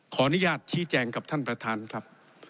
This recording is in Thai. ขออนุญาตชี้แจงกับท่านประธานครับ